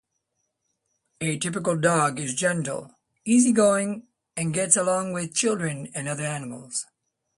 A typical dog is gentle, easygoing, and gets along with children and other animals.